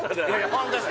ホントです